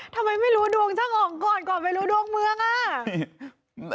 ทำไมไม่รู้ดวงช่างอ๋องก่อนก่อนไม่รู้ดวงเมืองอ่ะ